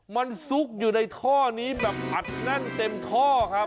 มันซุกอยู่ในท่อนี้แบบอัดแน่นเต็มท่อครับ